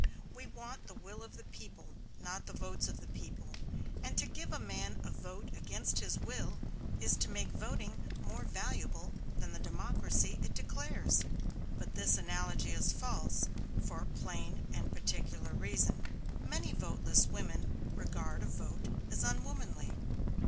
We want the will of the people, not the votes of the people; and to give a man a vote against his will is to make voting more valuable than the democracy it declares. But this analogy is false, for a plain and particular reason. Many voteless women regard a vote as unwomanly.